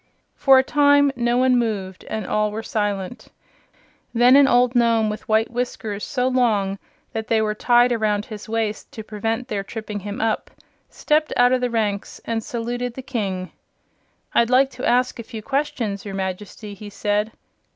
For a time no one moved and all were silent. Then an old Nome with white whiskers so long that they were tied around his waist to prevent their tripping him up, stepped out of the ranks and saluted the King. "I'd like to ask a few questions, your Majesty," he said.